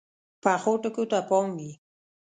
پخو ټکو ته پام وي